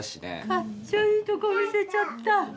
かっちょいいとこ見せちゃった。